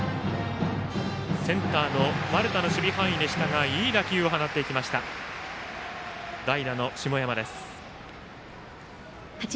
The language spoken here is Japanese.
センター、丸田の守備範囲でしたがいい打球を放っていきました代打の下山です。